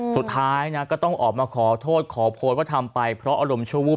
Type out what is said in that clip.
สุดท้ายนะก็ต้องออกมาขอโทษขอโพสต์ว่าทำไปเพราะอารมณ์ชั่ววูบ